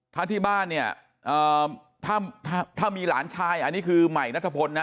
ถ้าที่บ้านเนี่ยถ้ามีหลานชายอันนี้คือใหม่นัทพลนะ